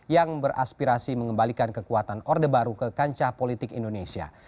yang beraspirasi mengembalikan kekuatan orde baru ke kancah politik indonesia